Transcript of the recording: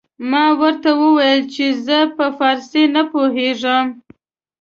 ما ورته وويل چې زه په فارسي نه پوهېږم.